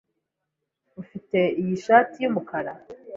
Ufite iyi shati yumukara?